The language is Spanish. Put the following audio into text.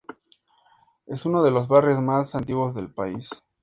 Es uno de los Barrios más antiguos del país.